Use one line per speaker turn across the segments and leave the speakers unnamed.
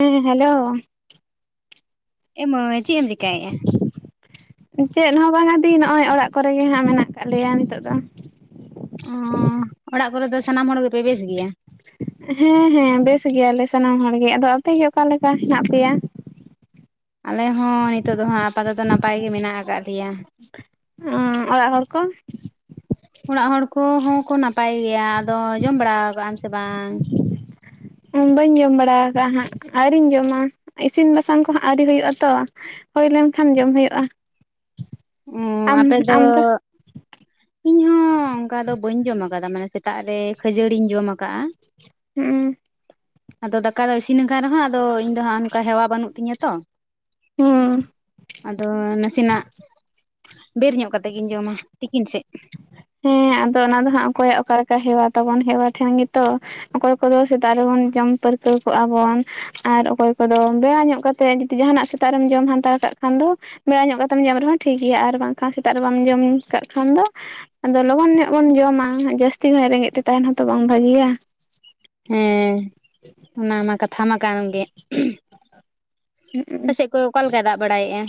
ᱦᱮᱸ ᱦᱮᱞᱳ?
ᱮ ᱢᱟᱹᱭ ᱪᱮᱫ ᱮᱢ ᱪᱮᱠᱟᱭᱮᱫᱼᱟ?
ᱪᱮᱫ ᱦᱚᱸ ᱵᱟᱝ ᱟ ᱫᱤ ᱱᱚᱜ ᱚᱭ ᱚᱲᱟᱜ ᱠᱚᱨᱮᱜ ᱜᱮ ᱦᱜ ᱢᱮᱱᱟᱜ ᱟᱠᱟᱟᱜ ᱞᱮᱭᱟ ᱱᱤᱛᱚᱜ ᱫᱚ
ᱚ ᱚᱲᱟᱜ ᱠᱚᱨᱮ ᱫᱚ ᱥᱟᱱᱟᱢ ᱦᱚᱲ ᱜᱮᱯᱮ ᱵᱮᱥ ᱜᱮᱭᱟ?
ᱦᱮᱸ ᱦᱮᱸ ᱵᱮᱥ ᱜᱮᱭᱟᱞᱮ ᱥᱟᱱᱟᱢ ᱦᱚᱲ ᱜᱮ ᱟᱫᱚ ᱟᱯᱮᱜᱮ ᱚᱠᱟᱞᱮᱠᱟ ᱦᱮᱱᱟᱜ ᱯᱮᱭᱟ?
ᱟᱞᱮ ᱦᱚᱸ ᱱᱤᱛᱚᱜ ᱫᱚ ᱦᱟᱸᱜ ᱟᱯᱟᱛᱚ ᱱᱟᱯᱟᱭ ᱜᱮ ᱢᱮᱱᱟᱜ ᱟᱠᱟᱫ ᱞᱮᱭᱟ
ᱚᱸ ᱚᱲᱟᱜ ᱦᱚᱲ ᱠᱚ?
ᱚᱲᱟᱜ ᱦᱚᱲ ᱠᱚᱦᱚᱸ ᱠᱚ ᱱᱟᱯᱟᱭ ᱜᱮᱭᱟ ᱟᱫᱚ ᱡᱚᱢ ᱵᱟᱲᱟ ᱠᱟᱜᱼᱟᱼᱼ
ᱵᱟᱹᱧ ᱡᱚᱢ ᱵᱟᱲᱟ ᱠᱟᱜᱼᱟ ᱦᱟᱸᱜ ᱟᱨᱤᱧ ᱡᱚᱢᱟ᱾ ᱤᱥᱤᱱ ᱵᱟᱥᱟᱝ ᱠᱚᱦᱚᱸ ᱟᱹᱣᱨᱤ ᱦᱩᱭᱩᱜᱼᱟ ᱛᱚ ᱦᱩᱭ ᱞᱮᱱᱠᱷᱟᱱ ᱡᱚᱢ ᱦᱩᱭᱩᱜᱼᱟ᱾
ᱦᱸ
ᱟᱢ
ᱟᱯᱮ ᱫᱚ
ᱟᱢ
ᱤᱧ ᱦᱚᱸ ᱚᱱᱠᱟ ᱫᱚ ᱵᱟᱹᱧ ᱡᱚᱢ ᱟᱠᱟᱫᱟ ᱢᱟᱱᱮ ᱥᱮᱛᱟᱜ ᱨᱮ ᱠᱷᱟᱹᱡᱟᱹᱲᱤᱧ ᱡᱚᱢ ᱟᱠᱟ᱾
ᱦᱩᱸ
ᱟᱫᱚ ᱫᱟᱠᱟ ᱫᱚ ᱤᱥᱤᱱ ᱟᱠᱟᱱ ᱨᱮᱦᱚᱸ ᱟᱫᱚ ᱤᱧ ᱫᱚ ᱦᱜ ᱚᱱᱠᱟ ᱦᱮᱣᱟ ᱵᱟᱹᱱᱩᱜ ᱛᱤᱧᱟᱹ ᱛᱚ,
ᱦᱩᱸ
ᱟᱫᱚ ᱱᱟᱥᱮ ᱱᱟᱜ ᱵᱮᱨ ᱧᱚᱜ ᱠᱟᱛᱮ ᱜᱤᱱ ᱡᱚᱢᱟ ᱛᱤᱠᱤᱱ ᱥᱮᱫ
ᱦᱮᱸ ᱟᱫᱚ ᱚᱱᱟ ᱫᱚ ᱦᱟᱸᱜ ᱚᱠᱚᱭᱟᱜ ᱚᱠᱟᱞᱮ ᱞᱮᱠᱟ ᱦᱮᱣᱟ ᱛᱟᱵᱚᱱ ᱦᱮᱣᱟ ᱴᱷᱮᱱ ᱜᱮᱛᱚᱼᱼ ᱚᱠᱚᱭ ᱠᱚᱫᱚ ᱥᱮᱛᱟᱜ ᱨᱮᱵᱚᱱ ᱡᱚᱢ ᱯᱟᱹᱨᱠᱟᱹᱣ ᱠᱚᱜ ᱟ ᱵᱚᱱ ᱟᱨ ᱚᱠᱚᱭ ᱠᱚᱫᱚ ᱵᱮᱲᱟ ᱧᱚᱜ ᱠᱟᱛᱮᱫᱼᱼ ᱡᱩᱫᱤ ᱡᱟᱦᱟᱱᱟᱜ ᱥᱮᱛᱟᱜ ᱨᱮᱢ ᱡᱚᱢ ᱦᱟᱛᱟᱣ ᱠᱟᱜ ᱠᱷᱟᱱ ᱫᱚᱼᱼ ᱵᱮᱲᱟ ᱧᱚᱜ ᱠᱟᱛᱮᱢ ᱡᱚᱢ ᱨᱮᱦᱚᱸ ᱴᱷᱤᱠ ᱜᱮᱭᱟ ᱟᱨ ᱵᱟᱝᱠᱷᱟᱱ ᱥᱮᱛᱟᱜ ᱨᱮ ᱵᱟᱢ ᱡᱚᱢ ᱠᱟᱜ ᱠᱷᱟᱱ ᱫᱚᱼᱼ ᱟᱫᱚ ᱞᱚᱜᱚᱱ ᱧᱚᱜ ᱵᱚᱱ ᱡᱚᱢᱟ ᱡᱟᱹᱥᱛᱤ ᱠᱷᱚᱱ ᱨᱮᱸᱜᱮᱡ ᱛᱮ ᱛᱟᱦᱮᱱ ᱦᱚᱸᱛᱚ ᱵᱟᱝ ᱵᱷᱟᱹᱜᱮᱭᱟ᱾
ᱦᱮᱸ ᱚᱱᱟ ᱢᱟ ᱠᱟᱛᱷᱟ ᱢᱟ ᱠᱟᱱ ᱜᱮ ᱟᱯᱮ ᱥᱮᱫ ᱠᱚ ᱚᱠᱟᱞᱮᱠᱟ ᱟᱭ ᱫᱟᱜ ᱵᱟᱲᱟᱭᱮᱫᱼᱟ?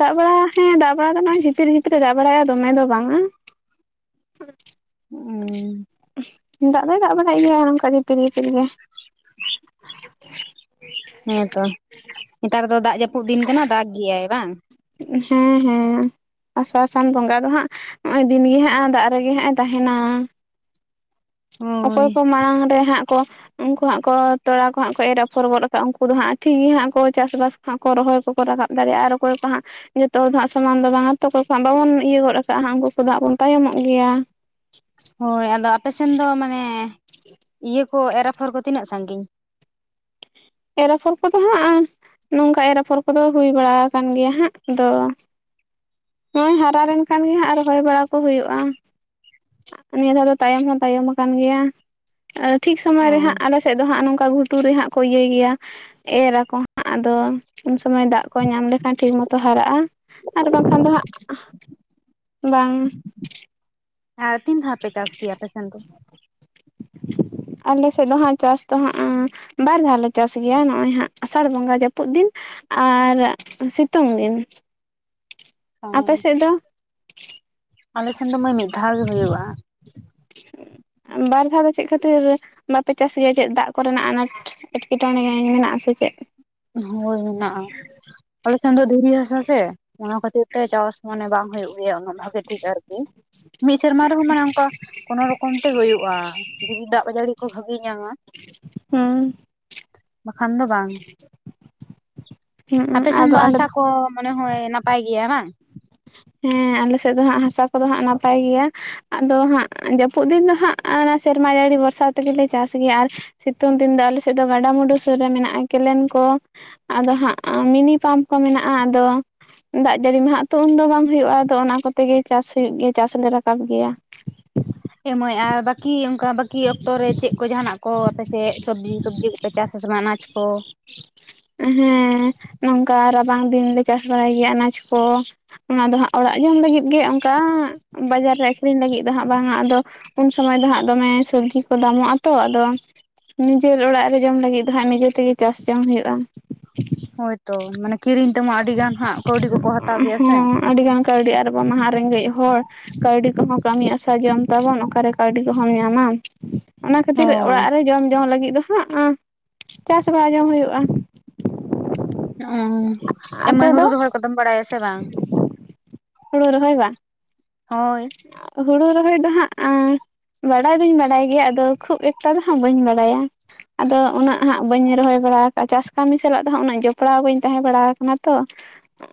ᱫᱟᱜ ᱵᱟᱲᱟ ᱦᱮᱸ ᱫᱟᱜ ᱵᱟᱲᱟ ᱫᱚ ᱱᱚᱜᱼᱚᱭ ᱪᱤᱛᱤᱨ ᱡᱤᱛᱤᱨ ᱮ ᱫᱟᱜ ᱵᱟᱲᱟᱭᱟ ᱫᱚᱢᱮ ᱫᱚ ᱵᱟᱝᱟ᱾ [inaudible]
ᱦᱩᱸ
ᱫᱟᱜ ᱫᱚᱭ ᱫᱟᱜ ᱵᱟᱲᱟᱭ ᱜᱮᱭᱟ ᱚᱱᱠᱟ ᱡᱷᱤᱨ ᱯᱷᱤᱨ ᱜᱮ᱾
ᱦᱮᱸᱛᱚ ᱱᱮᱛᱟᱨ ᱫᱚ ᱫᱟᱜ ᱡᱟᱹᱯᱩᱫ ᱫᱤᱱ ᱠᱟᱱᱟ ᱫᱟᱜ ᱜᱮᱭᱟᱭ ᱵᱟᱝ?
ᱦᱮᱸ ᱦᱮᱸ ᱟᱥᱟᱲ ᱥᱟᱱ ᱵᱚᱸᱜᱟ ᱫᱚ ᱦᱟᱸᱜ ᱱᱚᱜᱼᱚᱭ ᱫᱤᱱᱜᱮ ᱦᱟᱸᱜ ᱫᱟᱜ ᱨᱮᱜᱮ ᱦᱟᱸᱜ ᱮ ᱛᱟᱦᱮᱱᱟ ᱚᱠᱚᱭ
ᱦᱳᱭ
ᱠᱚ ᱢᱟᱲᱟᱝ ᱨᱮ ᱦᱟᱸᱜ ᱠᱚ ᱩᱱᱠᱩ ᱦᱟᱸᱜ ᱠᱚ ᱛᱚᱞᱟ ᱠᱚ ᱦᱟᱸᱜ ᱠᱚ ᱮᱨ ᱟᱯᱷᱚᱨ ᱜᱚᱫ ᱟᱠᱟᱫᱼᱟ ᱩᱱᱠᱩ ᱫᱚ ᱦᱟᱸᱜ ᱴᱷᱤᱠᱜ ᱜᱮ ᱦᱟᱸᱜ ᱠᱚ ᱪᱟᱥᱵᱟᱥ ᱦᱟᱜ ᱠᱚ ᱨᱚᱦᱚᱭ ᱠᱚᱠᱚ ᱨᱟᱠᱟᱵ ᱫᱟᱲᱮᱭᱟᱜᱼᱟ ᱟᱨ ᱚᱠᱚᱭ ᱠᱚ ᱦᱟᱸᱜ ᱡᱚᱛᱚ ᱫᱚ ᱦᱟᱸᱜ ᱥᱚᱢᱟᱱ ᱫᱚ ᱵᱟᱝ ᱟ ᱡᱚᱛᱚ ᱠᱚ ᱦᱟᱜ ᱵᱟᱵᱚᱱ ᱤᱭᱟᱹ ᱜᱚᱫ ᱠᱟᱜ ᱦᱟᱜ ᱩᱱᱠᱩ ᱠᱚ ᱦᱟᱸᱜ ᱵᱚᱱ ᱛᱟᱭᱚᱢᱚᱜ ᱜᱮᱭᱟ᱾
ᱦᱳᱭ ᱟᱫᱚ ᱟᱯᱮᱥᱮᱱ ᱫᱚ ᱢᱟᱱᱮ ᱤᱭᱟᱹ ᱠᱚ ᱮᱨ-ᱟᱯᱷᱚᱨ ᱠᱚ ᱛᱤᱱᱟᱹᱜ ᱥᱟᱺᱜᱤᱧ
ᱮᱨᱟᱯᱷᱚᱨ ᱠᱚᱫᱚ ᱦᱟᱸᱜ, ᱱᱚᱝᱠᱟ ᱮᱨᱟᱯᱷᱚᱨ ᱠᱚᱫᱚ ᱦᱩᱭ ᱵᱟᱲᱟ ᱟᱠᱟᱱ ᱜᱮᱭᱟ ᱦᱟᱸᱜ ᱟᱫᱚ ᱦᱚᱜ-ᱚᱭ ᱦᱟᱨᱟ ᱞᱮᱱᱠᱷᱟᱱ ᱜᱮ ᱦᱟᱸᱜ ᱨᱚᱦᱚᱭ ᱵᱟᱲᱟ ᱠᱚ ᱦᱩᱭᱩᱜᱼᱟ᱾ ᱱᱤᱭᱟᱹ ᱫᱷᱟᱣ ᱫᱚ ᱛᱟᱭᱚᱢ ᱦᱚᱸ ᱛᱟᱭᱚᱢ ᱟᱠᱟᱱ ᱜᱮᱭᱟ᱾ ᱴᱷᱤᱠ ᱥᱚᱢᱚᱭ
ᱚ
ᱨᱮ ᱦᱟᱸᱜ ᱟᱞᱮᱥᱮᱫ ᱫᱚ ᱦᱟᱸᱜ ᱱᱚᱝᱠᱟ ᱜᱷᱩᱴᱩᱨ ᱨᱮ ᱦᱟᱸᱜ ᱠᱚ ᱤᱭᱟᱹᱭ ᱜᱮᱭᱟ ᱮᱨ ᱟᱠᱚ ᱟᱫᱚ ᱩᱱ ᱥᱩᱚᱢᱚᱭ ᱫᱟᱜ ᱠᱚ ᱧᱟᱢ ᱞᱮᱠᱷᱟᱱ ᱴᱷᱤᱠ ᱢᱚᱛᱚ ᱦᱟᱨᱟᱜᱼᱟ ᱟᱨ ᱵᱟᱝ ᱠᱷᱟᱱ ᱫᱚ ᱦᱟᱸᱜ ᱵᱟᱝ
ᱟᱨ ᱛᱤᱱ ᱫᱷᱟᱣ ᱯᱮ ᱪᱟᱥ ᱜᱮᱭᱟ ᱟᱯᱮ ᱥᱮᱱ ᱫᱚ?
ᱟᱞᱮ ᱥᱮᱫ ᱫᱚ ᱦᱟᱸᱜ ᱪᱟᱥ ᱫᱚ ᱦᱟᱸᱜ ᱵᱟᱨ ᱫᱷᱟᱣᱞ ᱞᱮ ᱪᱟᱥ ᱜᱮᱭᱟ ᱱᱚᱜᱼᱚᱭ ᱦᱟᱸᱜ ᱟᱥᱟᱲ ᱵᱚᱸᱜᱟ ᱡᱟᱹᱯᱩᱫ ᱫᱤᱱ ᱟᱨ ᱥᱤᱛᱩᱝ ᱫᱤᱱ
ᱚ
ᱟᱯᱮ ᱥᱮᱫ ᱫᱚ
ᱟᱞᱮ ᱥᱮᱱ ᱫᱚ ᱢᱟᱹᱭ ᱢᱤᱫ ᱫᱷᱟᱣ ᱜᱮ ᱦᱩᱭᱩᱜᱼᱟ᱾
ᱵᱟᱨ ᱫᱷᱟᱣ ᱫᱚ ᱪᱮᱫ ᱠᱷᱟᱹᱛᱤᱨ ᱵᱟᱯᱮ ᱪᱟᱥ ᱜᱮᱭᱟ ᱪᱮᱫ ᱫᱟᱜ ᱠᱚᱨᱮᱱᱟᱜ ᱟᱱᱟᱴ ᱮᱴᱠᱮᱴᱚᱬᱮ ᱢᱮᱱᱟᱜ-ᱟ ᱥᱮ ᱪᱮᱫ?
ᱦᱳᱭ ᱢᱮᱱᱟᱜᱼᱟ᱾ ᱟᱞᱮ ᱥᱮᱱ ᱫᱚ ᱫᱷᱤᱨᱤ ᱦᱟᱥᱟ ᱥᱮ, ᱚᱱᱟ ᱠᱷᱟᱹᱛᱤᱨ ᱛᱮ ᱪᱟᱥ ᱢᱟᱱᱮ ᱵᱟᱝ ᱦᱩᱭᱩᱜ ᱜᱮᱭᱟ ᱩᱱᱟᱹᱜ ᱵᱷᱟᱜᱤ ᱴᱷᱤᱠ ᱟᱨᱠᱤ, ᱢᱤᱫ ᱥᱮᱨᱢᱟ ᱨᱮᱦᱚᱸ ᱢᱟᱱᱮ ᱚᱱᱠᱟ ᱠᱚᱱᱳ ᱨᱚᱠᱚᱢ ᱛᱮ ᱦᱳᱭᱳᱜᱼᱟ ᱡᱩᱫᱤ ᱫᱟᱜ ᱡᱟᱹᱲᱤ ᱠᱚ ᱵᱷᱟᱜᱤ ᱧᱟᱢᱟ᱾
ᱦᱩᱸ
ᱵᱟᱠᱷᱟᱱ ᱫᱚ ᱵᱟᱝ
ᱦᱩᱸ
ᱟᱯᱮ ᱥᱮᱱ
ᱟᱫᱚ
ᱫᱚ
ᱟᱞᱮ
ᱦᱟᱥᱟ ᱠᱚ ᱢᱚᱱᱮ ᱦᱚᱭ ᱱᱟᱯᱟᱭ ᱜᱮᱭᱟ ᱵᱟᱝ?
ᱦᱮᱸ ᱟᱞᱮ ᱥᱮᱫ ᱫᱚ ᱦᱟᱸᱜ ᱦᱟᱥᱟ ᱠᱚᱫᱚ ᱦᱟᱸᱜ ᱱᱟᱯᱟᱭ ᱜᱮᱭᱟ ᱟᱫᱚ ᱦᱟᱸᱜ ᱡᱟᱹᱯᱩᱫ ᱫᱤᱱ ᱫᱚ ᱦᱟᱸᱜ ᱟᱨ ᱥᱮᱨᱢᱟ ᱡᱟᱹᱲᱤ ᱵᱚᱨᱥᱟ ᱛᱮᱜᱮᱞᱮ ᱪᱟᱥ ᱜᱮᱭᱟ ᱟᱨ ᱥᱤᱛᱩᱝ ᱫᱤᱱ ᱫᱚ ᱟᱞᱮ ᱥᱮᱫ ᱫᱚ ᱜᱟᱰᱟᱢᱩᱰᱩ ᱥᱩᱨ ᱨᱮ ᱢᱮᱱᱟᱜᱼᱟ ᱠᱮᱞᱮᱱ ᱠᱚ ᱟᱫᱚ ᱦᱟᱸᱜ ᱢᱤᱱᱤ ᱯᱟᱢᱯ ᱠᱚ ᱢᱮᱱᱟᱜᱼᱟ, ᱟᱫᱚ ᱫᱟᱜ ᱡᱟᱹᱲᱤ ᱢᱟ ᱦᱟᱜ ᱛᱚ ᱩᱱᱫᱚ ᱵᱟᱝ ᱦᱩᱭᱩᱜᱼᱟ ᱟᱫᱚ ᱚᱱᱟ ᱠᱚᱛᱮᱜ ᱜᱮ ᱪᱟᱥ ᱦᱩᱭᱩᱜ ᱜᱮᱭᱟ ᱪᱟᱥ ᱞᱮ ᱨᱟᱠᱟᱵ ᱜᱮᱭᱟ᱾
ᱮ ᱢᱟ. ᱭ ᱟᱨ ᱵᱟᱹᱠᱤ ᱚᱱᱠᱟ ᱵᱟᱹᱠᱤ ᱚᱠᱛᱚᱨᱮ ᱪᱮᱫ ᱠᱚ ᱡᱟᱦᱟᱱᱟᱜ ᱠᱚ ᱟᱯᱮᱥᱮᱫ ᱥᱚᱵᱽᱡᱤ ᱴᱚᱵᱡᱤ ᱠᱚᱯᱮ ᱪᱟᱥ ᱟᱥᱮ ᱵᱟᱝ ᱟᱱᱟᱡ ᱠᱚ?
ᱦᱮᱸ ᱱᱚᱝᱠᱟ ᱨᱟᱵᱟᱝ ᱫᱤᱱᱞᱮ ᱪᱟᱥ ᱵᱟᱲᱟᱭ ᱜᱮᱭᱟ ᱟᱱᱟᱡ ᱠᱚ᱾ ᱚᱱᱟ ᱫᱚ ᱦᱟᱸᱜ ᱚᱲᱟᱜ ᱡᱚᱢ ᱞᱟᱹᱜᱤᱫ ᱜᱮ ᱚᱱᱠᱟ ᱵᱟᱡᱟᱨ ᱨᱮ ᱟᱹᱠᱷᱨᱤᱧ ᱞᱟᱹᱜᱤᱫ ᱫᱚ ᱦᱟᱸᱜ ᱵᱟᱝ ᱟ ᱟᱫᱚ ᱩᱱ ᱥᱚᱢᱚᱭ ᱫᱚ ᱦᱟᱸᱜ ᱫᱚᱢᱮ ᱥᱚᱵᱡᱤ ᱠᱚ ᱫᱟᱢᱚᱜᱼᱟ ᱛᱚ ᱟᱫᱚ ᱱᱤᱡᱮᱨ ᱚᱲᱟᱜ ᱨᱮ ᱡᱚᱢ ᱞᱟᱹᱜᱤᱫ ᱫᱚ ᱦᱟᱸᱜ ᱱᱤᱡᱮ ᱛᱮᱜᱮ ᱪᱟᱥ ᱡᱚᱝ ᱦᱩᱭᱩᱜᱼᱟ᱾
ᱦᱳᱭᱛᱚ ᱢᱟᱱᱮ ᱠᱤᱨᱤᱧ ᱛᱮᱢᱟ ᱟᱹᱰᱤ ᱜᱟᱱ ᱦᱟᱸᱜ ᱠᱟᱹᱣᱰᱤ ᱠᱚᱠᱚ ᱦᱟᱛᱟᱣ ᱜᱮᱭᱟ ᱥᱮ᱾
ᱦᱚᱸ ᱟᱹᱰᱤᱜᱟᱱ ᱠᱟᱹᱣᱰᱤ ᱟᱨ ᱟᱵᱚ ᱢᱟ ᱦᱟᱜ ᱨᱮᱸᱜᱮᱡ ᱦᱚᱲ ᱠᱟᱹᱣᱰᱤ ᱠᱚᱦᱚᱸ ᱠᱟᱹᱢᱤ ᱟᱥᱟ ᱡᱚᱢ ᱛᱟᱵᱚᱱ ᱚᱠᱟᱨᱮ ᱠᱟᱹᱣᱰᱤ ᱠᱚᱦᱚᱢ ᱧᱟᱢᱟ? ᱚᱱᱟ ᱠᱷᱟᱹᱛᱤᱨ
ᱦᱳᱭ
ᱚᱲᱟᱜ ᱨᱮ ᱡᱚᱢ ᱡᱚᱝ ᱞᱟᱹᱜᱤᱫ ᱫᱚ ᱦᱟᱸᱟᱜ ᱪᱟᱥ ᱵᱟᱲᱟ ᱡᱚᱝ ᱦᱩᱭᱩᱜᱼᱟ᱾
ᱦᱩᱜ ᱩ ᱮ ᱢᱟ.
ᱟᱯᱮ
ᱭ
ᱫᱚ
ᱦᱩᱲᱩ ᱨᱚᱦᱚᱭ ᱠᱚᱫᱚᱢ ᱵᱟᱲᱟᱭᱟ ᱥᱮ ᱵᱟᱝ?
ᱦᱩᱲᱩ ᱨᱚᱦᱚᱭ ᱵᱟ᱾
ᱦᱳᱭ
ᱦᱩᱲᱩ ᱨᱚᱦᱚᱭ ᱫᱚ ᱦᱟᱸᱜ ᱵᱟᱰᱟᱭ ᱫᱚᱧ ᱵᱟᱰᱟᱭ ᱜᱮᱭᱟ ᱟᱫᱚ ᱠᱷᱩᱵ ᱮᱠᱴᱟ ᱫᱚᱦᱟᱸᱜ ᱵᱟᱹᱧ ᱵᱟᱰᱟᱭᱟ᱾ ᱟᱫᱚ ᱩᱱᱟᱹᱜ ᱦᱟᱸᱜ ᱵᱟᱹᱧ ᱨᱚᱦᱚᱭ ᱵᱟᱲᱟ ᱠᱟᱜᱼᱟ ᱪᱟᱥ ᱠᱟᱹᱢᱤ ᱥᱟᱞᱟᱜ ᱫᱚ ᱦᱟᱸᱜ ᱩᱱᱟᱹᱜ ᱡᱚᱯᱲᱟᱣ ᱵᱟᱹᱧ ᱛᱟᱦᱮᱸ ᱵᱟᱲᱟᱟᱣ ᱟᱠᱟᱱᱟ ᱛᱚ᱾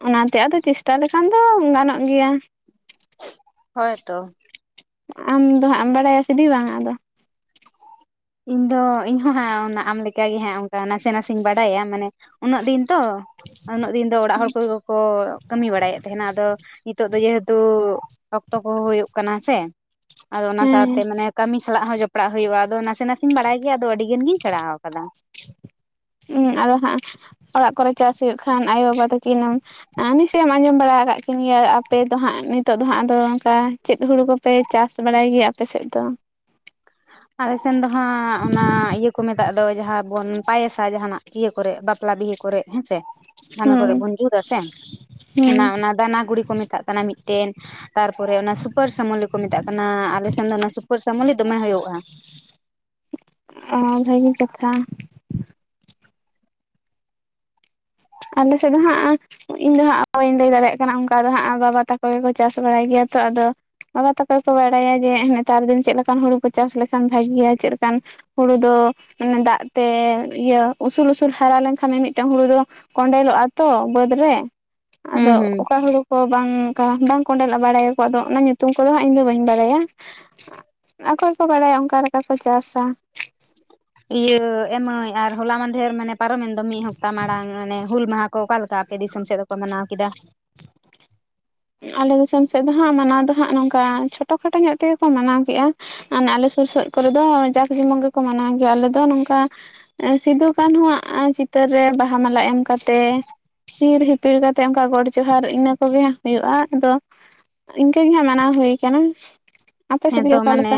ᱚᱱᱟᱛᱮ ᱟᱫᱚ ᱪᱮᱥᱴᱟ ᱞᱮᱠᱷᱟᱱ ᱫᱚ ᱜᱟᱱᱚᱜ ᱜᱮᱭᱟ
ᱦᱳᱭ ᱛᱚ
ᱟᱢᱫᱚ ᱦᱟᱸᱜ ᱮᱢ ᱵᱟᱲᱟᱭᱟ ᱥᱤᱫᱤ ᱵᱟᱝ ᱟᱫᱚ?
ᱤᱧ ᱫᱚ ᱤᱧ ᱦᱟ ᱟᱢ ᱞᱮᱠᱟ ᱜᱮ ᱦᱜ ᱚᱱᱠᱟ ᱱᱟᱥᱮ ᱱᱟᱥᱮᱧ ᱵᱟᱰᱟᱭᱟ ᱢᱟᱱᱮ ᱩᱱᱟᱹᱜ ᱫᱤᱱ ᱛᱚ ᱩᱱᱟᱹᱜ ᱫᱤᱱ ᱫᱚ ᱚᱲᱟᱜ ᱦᱚᱲ ᱠᱚᱦᱚ ᱠᱚ ᱠᱟᱹᱢᱤ ᱵᱟᱲᱟᱭᱮᱫ ᱛᱟᱦᱮᱱᱟ ᱟᱫᱚ ᱱᱤᱛᱚᱜ ᱫᱚ ᱡᱮᱦᱮᱛᱩ ᱚᱠᱛᱚ ᱠᱚᱦᱚ ᱦᱩᱭᱩᱜ ᱠᱟᱱᱟ ᱥᱮ, ᱟᱫᱚ ᱚᱱᱟ
ᱦᱮᱸ
ᱥᱟᱶᱛᱮ ᱢᱟᱱᱮ ᱠᱟᱹᱢᱤ ᱥᱟᱞᱟᱜ ᱦᱚᱸ ᱡᱚᱯᱲᱟᱜ ᱦᱩᱭᱩᱜᱼᱟ ᱟᱫᱚ ᱱᱟᱥᱮ ᱱᱟᱥᱮᱧ ᱵᱟᱲᱟᱭ ᱜᱮᱭᱟ ᱟᱫᱚ ᱟᱹᱰᱤ ᱜᱟᱱᱜᱤᱧ ᱥᱮᱬᱟ ᱟᱠᱟᱫᱟ᱾
ᱤᱧ ᱟᱫᱚ ᱦᱟᱸᱜ ᱚᱲᱟᱜ ᱠᱚᱨᱮ ᱪᱟᱥ ᱦᱩᱭᱩᱜ ᱠᱷᱟᱱ ᱟᱭᱳ ᱵᱟᱵᱟ ᱛᱟᱹᱠᱤᱱ ᱮᱢ ᱟ ᱱᱤᱥᱪᱚᱭ ᱮᱢ ᱟᱸᱡᱚᱢ ᱵᱟᱲᱟ ᱟᱠᱟᱫ ᱠᱤᱱ ᱜᱮᱭᱟ ᱟᱯᱮ ᱫᱚ ᱦᱟᱸᱜ ᱱᱤᱛᱚᱜ ᱫᱚ ᱦᱟᱸᱜ ᱟᱫᱚ ᱚᱱᱠᱟ ᱪᱮᱫ ᱦᱩᱲᱩ ᱠᱚᱯᱮ ᱪᱟᱥ ᱵᱟᱲᱟᱭ ᱜᱮᱭᱟ ᱟᱯᱮᱥᱮᱫ ᱫᱚ?
ᱟᱞᱮ ᱥᱮᱱ ᱫᱚ ᱦᱟᱸᱜ ᱚᱱᱟ ᱤᱭᱟᱹ ᱠᱚ ᱠᱚ ᱢᱮᱛᱟᱜ ᱫᱚ ᱡᱟᱦᱟᱸ ᱵᱚᱱ ᱯᱟᱭᱮᱥᱟ, ᱡᱟᱦᱱᱟᱜ ᱤᱭᱟᱹ ᱠᱚᱨᱮ ᱵᱟᱯᱞᱟ ᱵᱤᱦᱟᱹ ᱠᱚᱨᱮ ᱦᱮ ᱥᱮ ᱦᱟᱱᱟ
ᱦᱩᱸ
ᱠᱚᱨᱮᱜ ᱵᱚᱱ ᱡᱩᱛᱟ ᱥᱮ ᱚᱱᱟ ᱚᱱᱟ ᱫᱟᱱᱟ ᱜᱩᱲᱤ ᱠᱚ ᱢᱮᱛᱟᱜ ᱠᱟᱱᱟ ᱢᱤᱫᱴᱮᱱ᱾ ᱛᱟᱨᱯᱚᱨᱮ ᱚᱱᱟ ᱥᱩᱯᱟᱹᱨ ᱥᱟᱹᱢᱚᱞᱤ ᱠᱚ ᱢᱮᱛᱟᱜ ᱠᱟᱱᱟ ᱟᱞᱮᱥᱱ ᱫᱚ ᱚᱱᱟ ᱥᱩᱯᱟᱹᱨ ᱥᱟᱹᱢᱚᱞᱤ ᱫᱚᱢᱮ ᱦᱩᱭᱩᱜ᱾
ᱚᱚ ᱵᱷᱟᱹᱜᱤ ᱠᱟᱛᱷᱟ᱾ ᱟᱞᱮ ᱥᱮᱫ ᱫᱚ ᱦᱟᱸᱜ᱾ ᱤᱧ ᱫᱚ ᱦᱟᱸᱜ ᱵᱟᱹᱧ ᱞᱟᱹᱭ ᱫᱟᱲᱮᱭᱟᱜ ᱠᱟᱱᱟ ᱚᱱᱠᱟ ᱫᱚ ᱦᱟᱸᱜ ᱵᱟᱵᱟ ᱛᱟᱠᱚ ᱜᱮᱠᱚ ᱪᱟᱥ ᱵᱟᱲᱟᱭ ᱜᱮᱭᱟ ᱛᱚ, ᱟᱫᱚ ᱵᱟᱵᱟ ᱟ ᱛᱟᱠᱚ ᱠᱚ ᱵᱟᱲᱟᱭᱟ ᱡᱮ ᱱᱮᱛᱟᱨ ᱫᱤᱱ ᱪᱮᱫ ᱞᱮᱠᱟᱱ ᱦᱩᱲᱩ ᱠᱚ ᱪᱟᱥ ᱞᱮᱠᱷᱟᱱ ᱵᱷᱟᱜᱮᱭᱟ ᱪᱮᱫ ᱞᱮᱠᱟᱱ ᱦᱩᱲᱩ ᱫᱚ ᱫᱟᱜ ᱛᱮ ᱤᱭᱟᱹ ᱩᱥᱩᱞ ᱩᱥᱩᱞ ᱦᱟᱨᱟ ᱞᱮᱱᱠᱷᱟᱱ ᱢᱤᱼᱢᱤᱫᱴᱟᱝ ᱦᱩᱲᱩ ᱫᱚ ᱠᱚᱱᱰᱮᱞᱚᱜᱼᱟ ᱛᱚ ᱵᱟᱹᱫᱽ
ᱦᱩᱸ
ᱨᱮ᱾ᱟᱫᱚ
ᱦᱩᱸ
ᱚᱠᱟ ᱦᱩᱲᱩ ᱚ ᱵᱟᱝ ᱠᱟ ᱵᱟᱝ ᱠᱚᱸᱰᱮᱞᱚᱜᱼᱟ ᱵᱟᱲᱟᱭ ᱟᱠᱚ ᱟᱫᱚ ᱚᱱᱟ ᱧᱩᱛᱩᱢ ᱠᱚᱫᱚ ᱦᱟᱸᱜ ᱤᱧᱫᱚ ᱵᱟᱹᱧ ᱵᱟᱲᱟᱭᱟ᱾ ᱟᱠᱚ ᱜᱮᱠᱚ ᱵᱟᱲᱟᱭᱟ ᱚᱱᱠᱟ ᱞᱮᱠᱟ ᱠᱚ ᱪᱟᱥᱟ᱾
ᱤᱭᱟᱹ ᱮ ᱢᱟᱹᱭ ᱟᱨ ᱦᱚᱞᱟ ᱢᱟᱸᱫᱷᱮᱨ ᱢᱟᱱᱮ ᱯᱟᱨᱚᱢᱮᱱ ᱫᱚ ᱢᱤᱫ ᱦᱟᱯᱛᱟ ᱢᱟᱲᱟᱝ ᱢᱟᱱᱮ ᱦᱩᱞ ᱢᱟᱦᱟ ᱚᱠᱟ ᱞᱮᱠᱟ ᱟᱯᱮ ᱫᱤᱥᱚᱢ ᱥᱮᱫ ᱫᱚᱠᱚ ᱢᱟᱱᱟᱣ ᱠᱮᱫᱟ?
ᱟᱞᱮ ᱫᱤᱥᱚᱢ ᱥᱮᱫ ᱫᱚ ᱦᱜ ᱢᱟᱱᱟᱣ ᱫᱚ ᱦᱟᱸᱜ ᱱᱚᱝᱠᱟ ᱪᱷᱳᱴᱳ ᱠᱷᱟᱴᱳ ᱧᱚᱜ ᱛᱮᱜᱮ ᱠᱚ ᱢᱟᱱᱟᱣ ᱠᱮᱫᱼᱟ᱾ ᱢᱟᱱᱮ ᱟᱞᱮ ᱥᱩᱨ ᱥᱮᱫ ᱠᱚᱨᱮ ᱫᱚ ᱡᱟᱸᱠ ᱡᱮᱢᱚᱱ ᱜᱮᱠᱚ ᱢᱟᱱᱟᱣ ᱜᱮᱭᱟ ᱟᱞᱮ ᱫᱚ ᱱᱚᱝᱠᱟ ᱮ ᱥᱤᱫᱩ ᱠᱟᱱᱩᱣᱟᱜ ᱪᱤᱛᱟᱹᱨ ᱨᱮ ᱵᱟᱦᱟ ᱢᱟᱞᱟ ᱮᱢ ᱠᱟᱛᱮᱜ ᱪᱤᱨ ᱦᱤᱯᱤᱲ ᱠᱟᱛᱮ ᱚᱱᱠᱟ ᱜᱚᱰ ᱡᱚᱦᱟᱨ ᱤᱱᱟᱹ ᱠᱚᱜᱮ᱾ ᱦᱩᱭᱩᱜᱼᱟ ᱟᱫᱚ ᱤᱱᱠᱟᱹ ᱜᱮ ᱦᱟᱸᱜ ᱢᱟᱱᱟᱣ ᱦᱩᱭ ᱠᱟᱱᱟ᱾ ᱟᱯᱮ ᱥᱮᱫ
ᱦᱮᱸᱛᱚ
ᱜᱮ ᱚᱠᱟ
ᱢᱟᱱᱮ
ᱞᱮᱠᱟ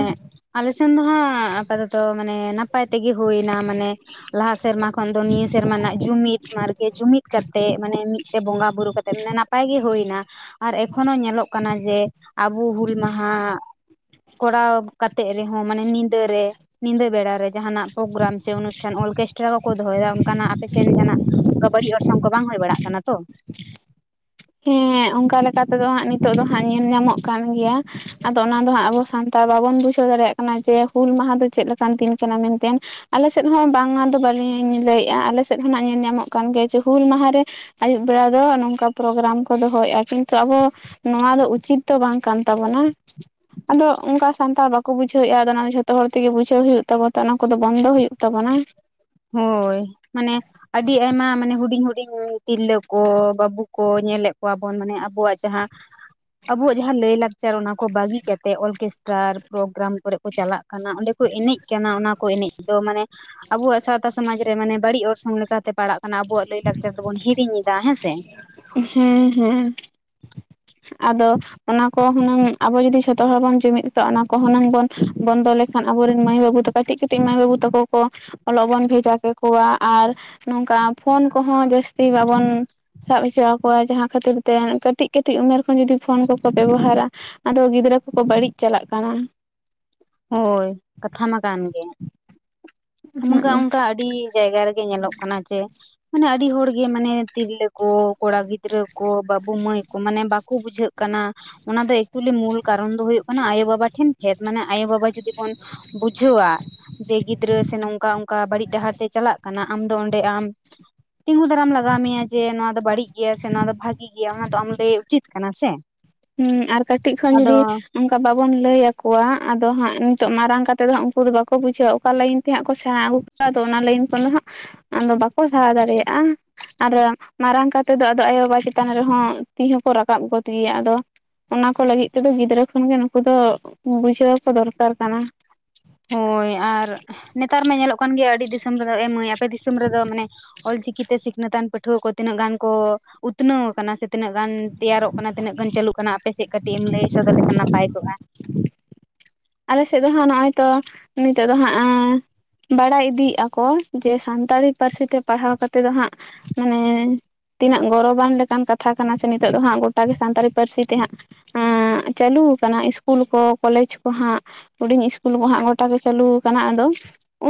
ᱟᱞᱮᱥᱮᱱ ᱫᱚ ᱦᱟᱸᱜ ᱟᱯᱟᱛᱚᱛᱚ ᱢᱟᱱᱮ ᱱᱟᱯᱟᱭ ᱛᱮᱜᱮ ᱦᱩᱭ ᱮᱱᱟ ᱢᱟᱱᱮ ᱞᱟᱦᱟ ᱥᱮᱨᱢᱟ ᱠᱷᱚᱱ ᱫᱚ ᱱᱤᱭᱟᱹ ᱥᱮᱨᱢᱟ ᱱᱟᱜ ᱡᱩᱢᱤᱫ ᱢᱟᱨᱜᱮ ᱡᱩᱢᱤᱫ ᱠᱟᱛᱮᱜ ᱢᱟᱱᱮ ᱢᱤᱫᱛᱮ ᱵᱚᱸᱜᱟ ᱵᱩᱨᱩ ᱠᱟᱛᱮᱜ ᱢᱟᱱᱮ ᱱᱟᱯᱟᱭ ᱜᱮ ᱦᱩᱭᱱᱟ᱾ ᱟᱨ ᱮᱠᱷᱳᱱᱳ ᱧᱮᱞᱚᱜ ᱠᱟᱱᱟ ᱡᱮ ᱟᱵᱚ ᱦᱩᱞ ᱢᱟᱦᱟ ᱠᱚᱨᱟᱣ ᱠᱟᱛᱮᱜ ᱨᱮᱦᱚᱸ ᱢᱟᱱᱮ ᱧᱤᱫᱟᱹᱨᱮ ᱧᱤᱫᱟᱹ ᱵᱮᱲᱟ ᱨᱮ ᱡᱟᱦᱟᱱᱟᱜ ᱯᱨᱳᱜᱨᱟᱢ ᱥᱮ ᱚᱱᱩᱥ ᱚᱨᱠᱮᱥᱴᱨᱟ ᱦᱚᱠᱚ ᱫᱚᱦᱚᱭᱫᱟ ᱚᱱᱠᱟᱱᱟᱜ ᱟᱯᱮᱥᱮᱱ ᱡᱟᱦᱟᱱᱟᱜ ᱚᱱᱠᱟ ᱵᱟᱹᱲᱤᱡ ᱚᱨᱥᱚᱝ ᱠᱚ ᱵᱟᱝ ᱦᱩᱭ ᱵᱟᱲᱟᱜ ᱠᱟᱱᱟ ᱛᱚ᱾
ᱦᱮ ᱚᱱᱠᱟ ᱞᱮᱠᱟ ᱛᱮᱫᱚ ᱦᱟᱸᱜ ᱱᱤᱛᱚᱜ ᱫᱚ ᱦᱟᱸᱜ ᱧᱮᱞ ᱧᱟᱢᱚᱜ ᱠᱟᱱ ᱜᱮᱭᱟ᱾ ᱟᱫᱚ ᱚᱱᱟ ᱫᱚ ᱦᱟᱸᱜ ᱟᱵᱚ ᱥᱟᱱᱛᱟᱲ ᱵᱟᱵᱚᱱ ᱵᱩᱡᱷᱟᱹᱣ ᱫᱟᱲᱮᱭᱟᱜ ᱠᱟᱱᱟ ᱡᱮ ᱦᱩᱞ ᱢᱟᱦᱟ ᱫᱚ ᱪᱮᱫ ᱞᱮᱠᱟᱱ ᱫᱤᱱ ᱠᱟᱱᱟ ᱢᱮᱱᱛᱮ ᱟᱞᱮ ᱥᱮᱫ ᱦᱚᱸ ᱵᱟᱝᱟ ᱫᱚ ᱵᱟᱹᱞᱤᱧ ᱞᱟᱹᱭᱮᱫᱼᱟ ᱟᱞᱮ ᱥᱮᱫ ᱦᱚᱸ ᱱᱟᱜ ᱧᱮᱞ ᱧᱟᱢᱚᱜ ᱠᱟᱱ ᱜᱮᱭᱟ, ᱡᱮ ᱦᱩᱞ ᱢᱟᱦᱟᱨᱮ᱾ ᱟᱹᱭᱩᱵ ᱵᱮᱲᱟ ᱫᱚ ᱱᱚᱝᱠᱟ᱾ ᱯᱨᱳᱜᱨᱟᱢ ᱠᱚ ᱫᱚᱦᱚᱭᱮᱫᱼᱟ ᱠᱤᱱᱛᱩ ᱟᱵᱚ ᱱᱚᱣᱟ ᱫᱚ ᱩᱪᱤᱛ ᱫᱚ ᱵᱟᱝ ᱠᱟᱱ ᱛᱟᱵᱳᱱᱟ᱾ ᱟᱫᱚ ᱚᱱᱠᱟ ᱥᱟᱱᱛᱟᱲ ᱵᱟᱠᱚ ᱵᱩᱡᱷᱟᱹᱣᱮᱫᱼᱟ ᱟᱫᱚ ᱚᱱᱟ ᱫᱚ ᱡᱷᱚᱛᱚ ᱦᱚᱲ ᱛᱮᱜᱮ ᱵᱩᱡᱷᱟᱹᱣ ᱦᱩᱭᱩᱜ ᱛᱟᱵᱳ ᱚᱱᱟ ᱠᱚᱫᱚ ᱵᱚᱱᱫᱚ ᱦᱩᱭᱩᱜ ᱛᱟᱵᱳᱱᱟ᱾
ᱦᱳᱭ ᱢᱟᱱᱮ᱾ ᱟᱹᱰᱤ ᱟᱭᱢᱟ ᱢᱟᱱᱮ ᱦᱩᱸᱰᱤᱧ ᱦᱩᱸᱰᱤᱧ ᱛᱤᱨᱞᱟᱹ ᱠᱚ ᱵᱟᱹᱵᱩ ᱠᱚ ᱧᱮᱞᱮᱫ ᱠᱚᱣᱟ ᱵᱚᱱ, ᱢᱟᱱᱮ ᱟᱵᱚᱣᱟᱜ ᱡᱟᱦᱟᱸ ᱟᱵᱚᱣᱟᱜ ᱡᱟᱦᱟᱸ ᱞᱟᱹᱭ ᱞᱟᱠᱪᱟᱨ ᱚᱱᱟ ᱠᱚ ᱵᱟᱹᱜᱤ ᱠᱟᱛᱮ ᱚᱨᱠᱮᱥᱴᱟᱨ ᱯᱨᱳᱜᱨᱟᱢ, ᱠᱚᱨᱮ ᱠᱚ ᱪᱟᱞᱟᱜ ᱠᱟᱱᱟ ᱚᱸᱰᱮ ᱠᱚ ᱮᱱᱮᱡ ᱠᱟᱱᱟ᱾ᱚᱱᱟ ᱠᱚ ᱮᱱᱮᱡ ᱫᱚ ᱢᱟᱱᱮ ᱟᱵᱚ ᱣᱟᱜ ᱥᱟᱶᱛᱼᱼ ᱥᱚᱢᱟᱡᱽ ᱨᱮ ᱢᱟᱱᱮ ᱵᱟᱹᱲᱤᱡ ᱚᱨᱥᱚᱝ ᱞᱮᱠᱟᱛᱮ ᱯᱟᱲᱟᱜ ᱠᱟᱱᱟ ᱟᱵᱚᱣᱟᱜ ᱞᱟᱹᱭ ᱞᱟᱠᱪᱟᱨ ᱫᱚᱵᱚᱱ ᱦᱤᱲᱤᱧ ᱮᱫᱟ ᱦᱮᱸ ᱥᱮ᱾
ᱦᱮᱸ ᱦᱮᱸ ᱟᱫᱚ ᱚᱱᱟ ᱠᱚ ᱦᱩᱱᱟᱹᱝ ᱟᱵᱚ ᱡᱩᱫᱤ ᱡᱷᱚᱛᱚ ᱦᱚᱲ ᱵᱚᱱ ᱡᱩᱢᱤᱫ ᱠᱚᱣᱟ ᱚᱱᱟ ᱠᱚ ᱦᱩᱱᱟᱹᱝ ᱵᱚᱱ ᱵᱚᱱᱫᱚ ᱞᱮᱠᱷᱼᱼ ᱟᱱ ᱟᱵᱚᱨᱮᱱ ᱢᱟᱹᱭ ᱵᱟᱹᱵᱩ ᱛᱟᱠᱚ ᱠᱟᱹᱴᱤᱡ ᱠᱟᱹᱴᱤᱡ ᱢᱟᱹᱭ ᱵᱵᱩ ᱛᱟᱠᱚᱼᱼ ᱚᱞᱚᱜ ᱵᱚᱱ ᱵᱷᱮᱡᱟ ᱠᱮᱠᱚᱣᱟ ᱟᱨ ᱱᱚᱝᱠᱟ ᱯᱷᱳᱱ ᱠᱚᱦᱚᱸ ᱡᱟᱹᱥᱛᱤ ᱵᱟᱵᱚᱱᱼᱼ ᱥᱟᱵ ᱦᱚᱪᱚ ᱟᱠᱚᱣᱟ ᱡᱟᱦᱟᱸ ᱠᱷᱟᱹᱛᱤᱨ ᱛᱮ ᱠᱟᱹᱴᱤᱡ ᱠᱟᱹᱴᱤᱡ ᱩᱢᱮᱨᱼᱼ ᱠᱷᱚᱱ ᱡᱩᱫᱤ ᱯᱷᱳᱱ ᱠᱚᱠᱚ ᱵᱮᱵᱚᱦᱟᱨᱟ ᱟᱫᱚ ᱜᱤᱫᱽᱨᱟᱹ ᱠᱚᱠᱚ ᱵᱟᱹᱲᱤᱡ ᱪᱟᱞᱟᱜ ᱠᱟᱱᱟ᱾
ᱦᱳᱭ ᱠᱟᱛᱷᱟ ᱢᱟ ᱠᱟᱱ ᱜᱮ᱾
ᱦᱩᱸᱜ
ᱱᱚᱱᱠᱟ ᱚᱱᱠᱟ ᱟᱹᱰᱤ᱾ ᱡᱟᱭᱜᱟ ᱨᱮᱜᱮ ᱧᱮᱞᱚᱜ ᱠᱟᱱᱟ ᱡᱮᱼᱼ ᱢᱟᱱᱮ ᱟᱹᱰᱤ ᱦᱚᱲ ᱜᱮ ᱢᱟᱱᱮ ᱛᱤᱨᱞᱟᱹ ᱠᱚ ᱠᱚᱲᱟ ᱜᱤᱫᱽᱨᱟᱹ ᱠᱚ ᱵᱟᱹᱵᱩ ᱢᱟᱹᱭ ᱠᱚ ᱢᱟᱱᱮ ᱵᱟᱠᱚ ᱵᱩᱡᱷᱟᱹᱜᱼᱼ ᱚᱱᱟ ᱫᱚ ᱮᱠᱪᱩᱭᱮᱞᱤ ᱢᱩᱞ ᱠᱟᱨᱚᱱ ᱫᱚ ᱦᱩᱭᱩᱜ ᱠᱟᱱᱟ ᱟᱭᱳᱵᱟᱵᱟ ᱴᱷᱮᱱ ᱠᱷᱮᱛ ᱢᱟᱱᱮᱼᱼ ᱟᱭᱳᱼᱵᱟᱵᱟ ᱡᱩᱫᱤ ᱵᱚᱱ ᱵᱩᱡᱷᱟᱹᱣᱟ ᱡᱮ ᱜᱤᱫᱽᱨᱟᱹ ᱥᱮ ᱱᱚᱝᱠᱟ ᱚᱱᱠᱟ ᱵᱟᱹᱲᱤᱡ ᱰᱟᱦᱟᱨ ᱛᱮ ᱪᱟᱞᱟᱜ ᱠᱟᱱᱟ ᱟᱢ ᱫᱚ ᱚᱸᱰᱮ ᱟᱢᱼᱼ ᱛᱤᱸᱜᱩ ᱫᱷᱟᱨᱟᱢ ᱞᱟᱜᱟᱣ ᱢᱮᱭᱟ ᱡᱮ ᱱᱚᱣᱟ ᱫᱚ ᱵᱟᱹᱲᱤᱡ ᱜᱮᱭᱟ ᱥᱮ ᱱᱚᱣᱟ ᱫᱚ ᱵᱷᱟᱜᱤ ᱜᱮᱭᱟ ᱚᱱᱟ ᱫᱚ ᱟᱢ ᱞᱟᱹᱭ ᱩᱪᱤᱛ ᱠᱟᱱᱟ ᱥᱮ,
ᱦᱮᱸ ᱟᱨ ᱠᱟᱹᱴᱤᱡ ᱠᱷᱚᱱ
ᱟᱫᱚ
ᱡᱩᱫᱤᱼᱼ ᱚᱱᱠᱟ ᱵᱟᱵᱚᱱ ᱞᱟᱹᱭᱟᱚᱣᱟ ᱟᱫᱚ ᱦᱟᱸᱜ ᱱᱤᱛᱚᱜ ᱢᱟᱨᱟᱝ ᱠᱟᱛᱮᱫ ᱫᱚ ᱩᱱᱠᱩ ᱫᱚ ᱵᱟᱠᱚ ᱵᱩᱡᱷᱟᱹᱣᱟ ᱚᱠᱟ ᱞᱟᱭᱤᱱ ᱛᱮ ᱦᱟᱸᱜ ᱠᱚ ᱥᱮᱬᱟ ᱟᱹᱜᱩᱣᱟ ᱟᱫᱚ ᱚᱱᱟ ᱞᱟᱭᱤᱱ ᱠᱷᱚᱱᱫᱚ ᱦᱟᱸᱜ ᱟᱫᱚ ᱵᱟᱠᱚ ᱥᱟᱦᱟ ᱫᱟᱲᱮᱭᱟᱜᱼᱟ᱾ ᱟᱨ ᱢᱟᱨᱟᱝᱛᱮᱫ ᱫᱚ ᱟᱫᱚ ᱟᱭᱳᱼᱵᱟᱵᱟ ᱪᱮᱛᱟᱱ ᱨᱮᱦᱚᱸ ᱛᱤ ᱦᱚᱸᱠᱚ ᱨᱟᱠᱟᱵ ᱜᱚᱫ ᱜᱮᱭᱟ ᱟᱫᱚ᱾ ᱚᱱᱟ ᱠᱚ ᱞᱟᱹᱜᱤᱫ ᱛᱮᱫᱚ ᱜᱤᱫᱽᱨᱟᱹ ᱠᱷᱚᱱᱜᱮ ᱱᱩᱠᱩ ᱫᱚ ᱵᱩᱡᱷᱟᱹᱣ ᱠᱚ ᱫᱚᱨᱠᱟᱨ ᱠᱟᱱᱟ᱾
ᱦᱳᱭ ᱟᱨ ᱱᱮᱛᱟᱨ ᱢᱟ ᱧᱮᱞᱚᱜ ᱠᱟᱱ ᱜᱮᱭᱟ ᱟᱹᱰᱤ ᱫᱤᱥᱚᱢ ᱨᱮᱫᱚ ᱮᱢ ᱢᱟᱹᱭ ᱟᱯᱮ ᱫᱤᱥᱚᱢ ᱨᱮᱫᱚ ᱢᱟᱱᱮᱼᱼ ᱚᱞᱪᱤᱠᱤᱛᱮ ᱥᱤᱠᱷᱱᱟᱹᱛᱟᱱ ᱯᱟᱹᱴᱷᱩᱣᱟᱹ ᱠᱚ ᱛᱤᱱᱟᱹᱜ ᱜᱟᱱ ᱠᱚ ᱩᱛᱱᱟᱹᱣ ᱟᱠᱟᱱᱟ ᱥᱮᱼᱼ ᱛᱤᱱᱟᱹᱜ ᱜᱟᱱ ᱛᱮᱭᱟᱨᱚᱜ ᱠᱟᱱᱟ ᱛᱤᱱᱟᱹᱜ ᱜᱟᱱ ᱪᱟᱹᱞᱩᱜ ᱠᱟᱱᱟ ᱟᱯᱮᱥᱮᱫ ᱠᱟᱹᱴᱤᱡ ᱮᱢ ᱞᱟᱹᱭ ᱥᱚᱫᱚᱨ ᱞᱮᱠᱷᱟᱱ ᱱᱟᱯᱟᱭ ᱠᱚᱜᱼᱟ᱾
ᱟᱞᱮ ᱥᱮᱫ ᱫᱚ ᱦᱟᱸᱜ ᱱᱚᱜᱼᱚᱭ ᱛᱚ ᱱᱤᱛᱳ ᱫᱚ ᱦᱟᱸᱜᱼᱼ ᱵᱟᱲᱟᱭ ᱤᱫᱤᱭᱮᱫᱼᱟ ᱠᱚ ᱡᱮ ᱥᱟᱱᱛᱟᱲᱤ ᱯᱟᱹᱨᱥᱤ ᱛᱮ ᱯᱟᱲᱦᱟᱣ ᱠᱟ ᱠᱟᱛᱮᱫ ᱫᱚ ᱦᱟᱸᱜᱼᱼ ᱢᱟᱱᱮ ᱛᱤᱱᱟᱹᱜ ᱜᱚᱨᱚᱵᱟᱱ ᱞᱮᱠᱟᱱ ᱠᱟᱛᱷᱟ ᱠᱟᱱᱟ ᱥᱮ ᱱᱤᱛᱚᱜ ᱫᱚ ᱦᱟᱸᱜ ᱜᱚᱴᱟᱮ ᱥᱟᱱᱛᱟᱲᱤ ᱯᱟᱹᱨᱥᱤ ᱛᱮ ᱦᱟᱸᱜ ᱪᱟᱹᱞᱩ ᱟᱠᱟᱱᱟ ᱤᱥᱠᱩᱞ ᱠᱚ ᱠᱚᱞᱮᱡᱽᱼᱼ ᱠᱚ ᱦᱟᱸᱜ ᱦᱩᱰᱤᱧ ᱤᱥᱠᱩᱞ ᱠᱚ ᱦᱟᱸᱜ ᱜᱚᱴᱟ ᱜᱮ ᱪᱟᱹᱞᱩ ᱟᱠᱟᱱᱟ ᱟᱫᱚᱼᱼ